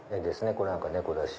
これなんか猫だし。